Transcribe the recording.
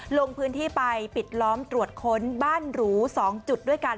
ลงพื้นที่ไปปิดล้อมตรวจค้นบ้านหรู๒จุดด้วยกัน